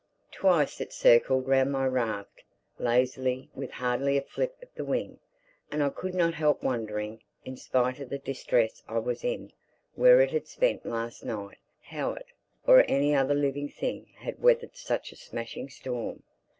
Twice it circled round my raft, lazily, with hardly a flip of the wing. And I could not help wondering, in spite of the distress I was in, where it had spent last night—how it, or any other living thing, had weathered such a smashing storm.